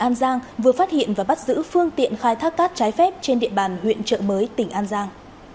công an tp hcm vừa phát hiện và bắt giữ phương tiện khai thác cát trái phép trên địa bàn huyện trợ mới tp hcm